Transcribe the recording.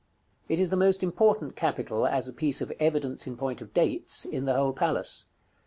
It is the most important capital, as a piece of evidence in point of dates, in the whole palace.